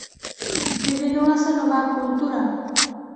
Vyvinula se nová kultura.